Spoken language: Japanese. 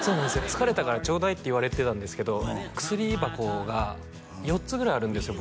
「疲れたからちょうだい」って言われてたんですけど薬箱が４つぐらいあるんですよ